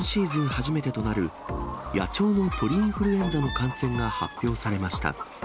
初めてとなる、野鳥の鳥インフルエンザの感染が発表されました。